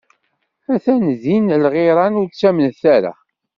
A-t-an di lɣiran, ur ttamnet ara!